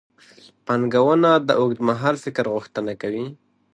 پانګونه د اوږدمهال فکر غوښتنه کوي.